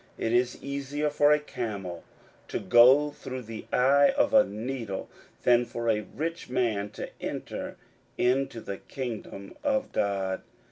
41:010:025 It is easier for a camel to go through the eye of a needle, than for a rich man to enter into the kingdom of God.